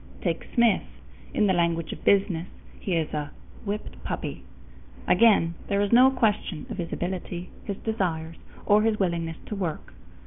Take Smith. In the language of business he is a "whipped puppy." Again, there is no question of his ability, his desires, or his willingness to work.